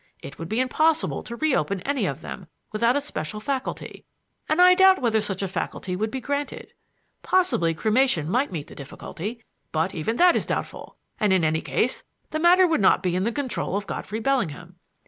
It would be impossible to reopen any of them without a special faculty, and I doubt whether such a faculty would be granted. Possibly cremation might meet the difficulty, but even that is doubtful; and, in any case, the matter would not be in the control of Godfrey Bellingham.